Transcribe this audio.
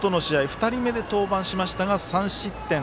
２人目で登板しましたが三失点。